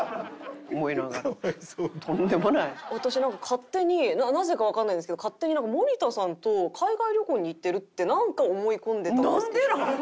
勝手になぜかわかんないですけど勝手に森田さんと海外旅行に行ってるってなんか思い込んでたんですけど。